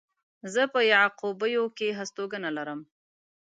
زه په يعقوبيو کې هستوګنه لرم.